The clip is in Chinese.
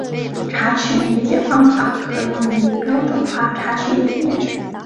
查询理解方法可用于标准化查询语言。